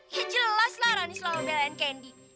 ya jelas lah rani selama belain candy